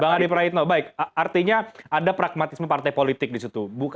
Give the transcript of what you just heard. bang adi praetno baik artinya ada pragmatisme partai politik disitu